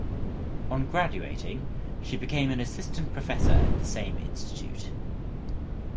On graduating she became an assistant professor at the same institute.